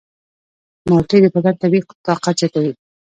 مالټې د بدن طبیعي طاقت زیاتوي.